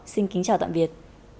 xin kính chào tạm biệt